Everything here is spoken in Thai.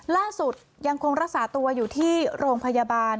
ล่าสุดยังคงรักษาตัวอยู่ที่โรงพยาบาล